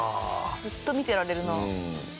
ずっと見てられるな。